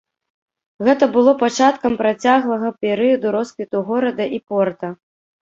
Гэта было пачаткам працяглага перыяду росквіту горада і порта.